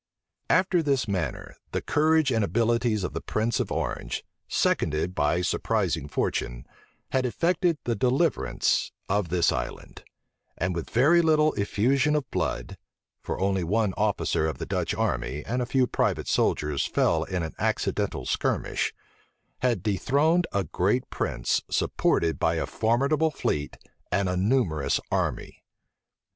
After this manner, the courage and abilities of the prince of Orange, seconded by surprising fortune, had effected the deliverance of this island; and with very little effusion of blood (for only one officer of the Dutch army and a few private soldiers fell in an accidental skirmish) had dethroned a great prince supported by a formidable fleet and a numerous army.